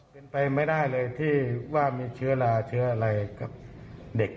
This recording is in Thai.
เป็นไปไม่ได้เลยที่ว่ามีเชื้อลาเชื้ออะไรกับเด็ก